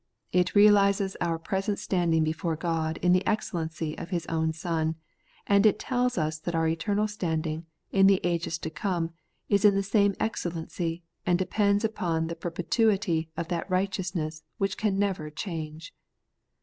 It realizes our present standing before God in the excellency of His own Son ; and it tells us that our eternal standing, in the ages to come, is in the same excellency, and depends on the perpetuity of that righteousness which can never change.